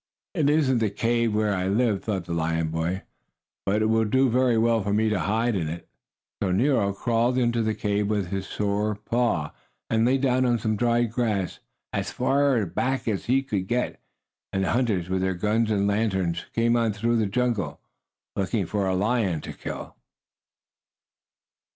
"It isn't the cave where I live," thought the lion boy, "but it will do very well for me to hide in." So Nero crawled into the cave with his sore paw, and lay down on some dried grass, as far back as he could get. And the hunters, with their guns and lanterns, came on through the jungle, looking for a lion to kill.